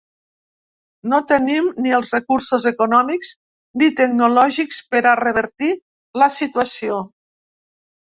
No tenim ni els recursos econòmics ni tecnològics per a revertir la situació.